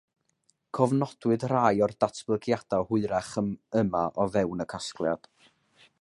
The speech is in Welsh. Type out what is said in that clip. Cofnodwyd rhai o'r datblygiadau hwyrach yma o fewn y casgliad